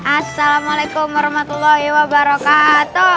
assalamualaikum warahmatullahi wabarakatuh